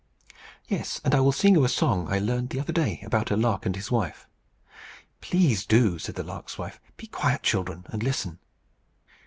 "Yes. And I will sing you a song I learned the other day about a lark and his wife." "Please do," said the lark's wife. "Be quiet, children, and listen."